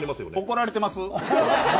怒られてます？